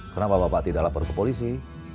kenapa bapak tidak lapor ke polisi